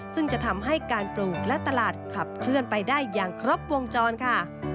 ซึ่งจะทำให้การปลูกและตลาดขับเคลื่อนไปได้อย่างครบวงจรค่ะ